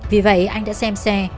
vì vậy anh đã xem xe